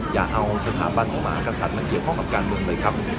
อย่าเอาสถาบันพระมหากษัตริย์มาเกี่ยวข้องกับการเมืองเลยครับ